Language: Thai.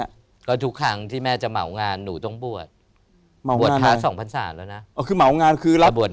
ยังไงทุกครั้งที่แม่จะเหมางานนุต้องบวช